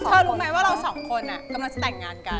เธอรู้ไหมว่าเราสองคนกำลังจะแต่งงานกัน